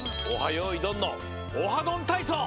よいどん」の「オハどんたいそう」！